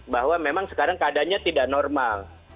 bahwa memang sekarang keadaannya tidak normal